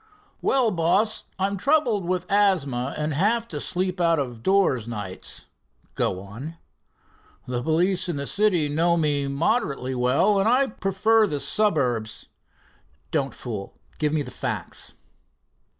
"Well, boss, I'm troubled with asthma, and have to sleep out of doors nights." "Go on." "The police in the city know me moderately well, and I prefer the suburbs." "Don't fool give me the facts."